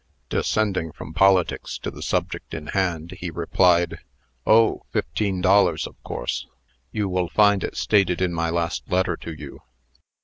Descending from politics to the subject in hand, he replied: "Oh! fifteen dollars, of course. You will find it stated in my last letter to you."